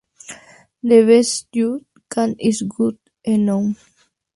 The best you can is good enough.